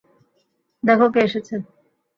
দেখো কে এসেছে।